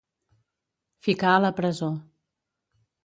Ficar a la presó.